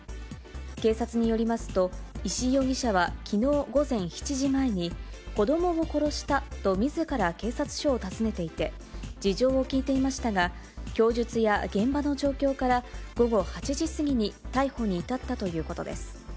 警察によりますと、石井容疑者はきのう午前７時前に、子どもを殺したとみずから警察署を訪ねていて、事情を聴いていましたが、供述や現場の状況から、午後８時過ぎに逮捕に至ったということです。